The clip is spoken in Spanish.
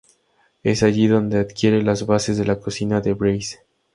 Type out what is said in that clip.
Es allí donde adquiere las bases de la cocina de Bresse.